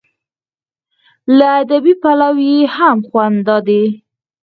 له ادبي پلوه یې هم خوند دا دی.